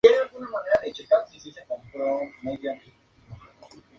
Sus puertos principales son Benjamin Constant y Palmeiras do Yavarí.